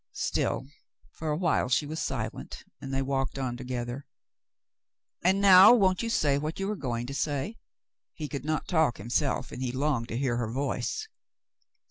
Still for a while she was silent, and they walked on together. "And now won't you say what you were going to say?" He could not talk himself, and he longed to hear her voice.